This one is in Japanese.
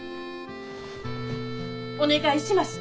お願いします！